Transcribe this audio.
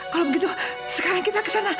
kalau begitu sekarang kita kesana